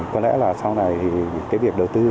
có lẽ là sau này thì cái việc đầu tư